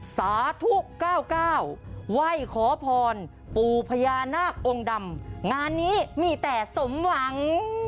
สาธุ๙๙ไหว้ขอพรปู่พญานาคองค์ดำงานนี้มีแต่สมหวัง